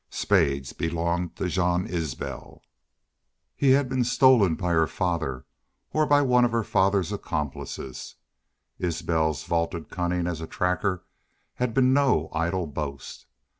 Spades belonged to Jean Isbel. He had been stolen by her father or by one of her father's accomplices. Isbel's vaunted cunning as a tracker had been no idle boast.